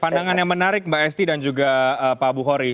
pandangan yang menarik mbak esti dan juga pak buhori